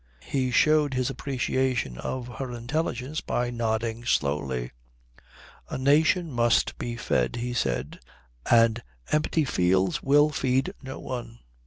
He showed his appreciation of her intelligence by nodding slowly. "A nation must be fed," he said, "and empty fields will feed no one."